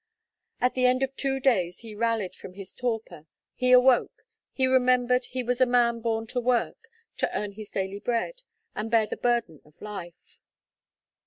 At the end of two days he rallied from his torpor; he awoke, he remembered he was a man born to work, to earn his daily bread, and bear the burden of life.